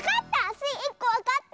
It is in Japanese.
スイ１こわかった！